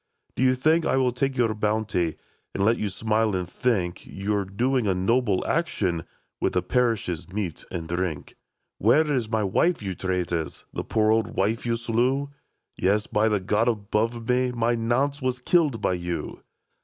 " Do you think I will take your bounty, And let you smile and think You 're doing a noble action With the parish's meat and drink ? Where is my wife, you traitors — The poor old wife you slew ? Yes, by the God above us, My Nance was killed by you